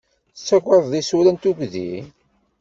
Tettagadeḍ isura n tugdi?